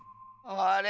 あれ？